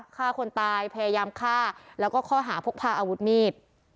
ฆ่าคนตายพยายามฆ่าแล้วก็ข้อหาพกพาอาวุธมีด